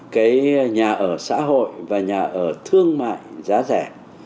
cái nhà ở xã hội và nhà ở thương mại giá rẻ